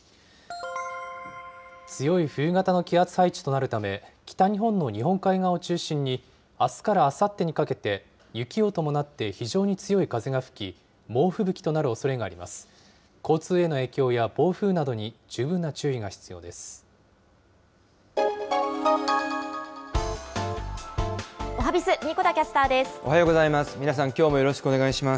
強い冬型の気圧配置となるため、北日本の日本海側を中心に、あすからあさってにかけて雪を伴って非常に強い風が吹き、猛吹雪となるおそれがあります。